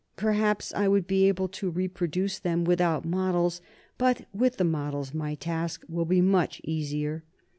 Perhaps I would be able to reproduce them without models, but with the models my task will be much easier.